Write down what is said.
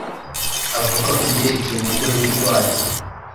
avuga kubyerekeye umugore we urwaye